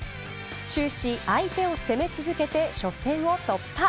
終始相手を攻め続けて初戦を突破。